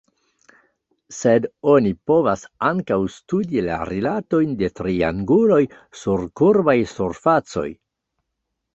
Sed oni povas ankaŭ studi la rilatojn de trianguloj sur kurbaj surfacoj.